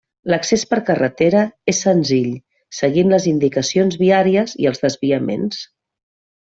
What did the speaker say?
L'accés per carretera és senzill seguint les indicacions viàries i els desviaments.